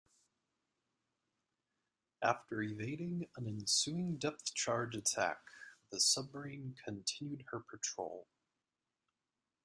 After evading an ensuing depth charge attack, the submarine continued her patrol.